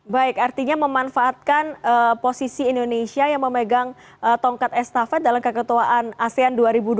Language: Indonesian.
baik artinya memanfaatkan posisi indonesia yang memegang tongkat estafet dalam keketuaan asean dua ribu dua puluh